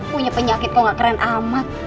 punya penyakit kok gak keren amat